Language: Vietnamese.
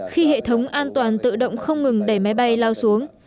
khi hệ thống an toàn tự động không ngừng đẩy máy bay lao xuống